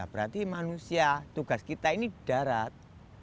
berarti manusia tugas kita ini di darat